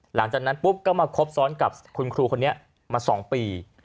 หลังจากนั้นปุ๊บก็มาคบซ้อนกับคุณครูคนนี้มา๒ปี